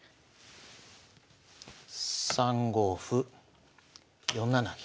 ３五歩４七銀。